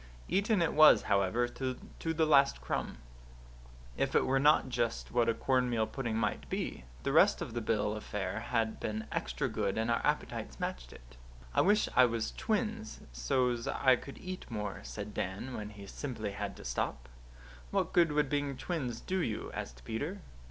Eaten it was, however, to the last crumb. If it were not just what a cornmeal pudding might be, the rest of the bill of fare had been extra good and our appetites matched it. "I wish I was twins so's I could eat more," said Dan, when he simply had to stop. "What good would being twins do you?" asked Peter.